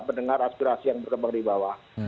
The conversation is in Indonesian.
mendengar aspirasi yang berkembang di bawah